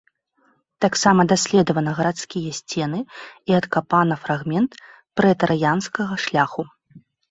Таксама даследавана гарадскія сцены і адкапана фрагмент прэтарыянскага шляху.